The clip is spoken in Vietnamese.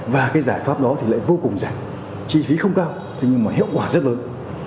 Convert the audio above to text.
và cái giải pháp đó thì lại vô cùng giảm chi phí không cao thế nhưng mà hiệu quả rất lớn